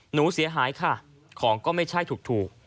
หนูเสียหายค่ะของก็ไม่ใช่ถูก